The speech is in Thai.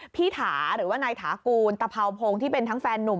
ถาหรือว่านายถากูลตะเภาพงศ์ที่เป็นทั้งแฟนนุ่ม